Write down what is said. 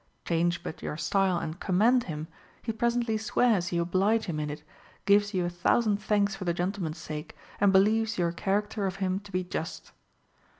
Change but your style and commend him, he presently swears you oblige him in it, gives you a thousand thanks for the gentleman's sake, and believes your character of him to be just.